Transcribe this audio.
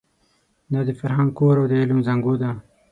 دا د فرهنګ کور او د علم زانګو ده.